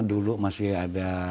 dulu masih ada